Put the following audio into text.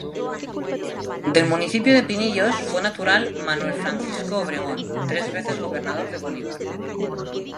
Del municipio de Pinillos fue natural Manuel Francisco Obregón, tres veces Gobernador de Bolívar.